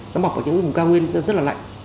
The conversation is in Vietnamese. nó mọc ở những vùng cao nguyên rất là lạnh